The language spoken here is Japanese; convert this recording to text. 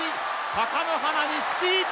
貴ノ花に土！